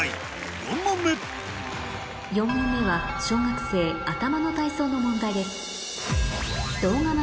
４問目４問目は小学生頭の体操の問題です